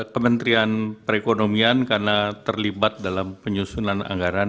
kementerian perekonomian karena terlibat dalam penyusunan anggaran